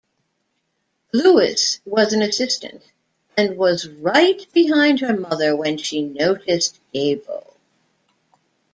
Lewis was an assistant and was right behind her mother when she noticed Gable.